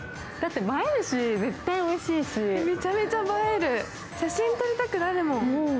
だって映えるし、絶対おいしいしめちゃめちゃ映える、写真撮りたくなるもん。